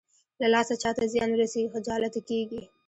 له لاسه چاته زيان ورسېږي خجالته کېږي.